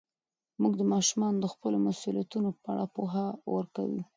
مور د ماشومانو د خپلو مسوولیتونو په اړه پوهه ورکوي.